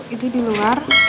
itu di luar